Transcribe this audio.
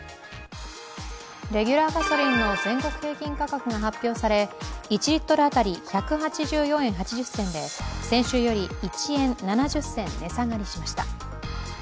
レギュラーガソリンの全国平均価格が発表され、１リットル当たり１８４円８０銭で先週より１円７０銭値下がりしました。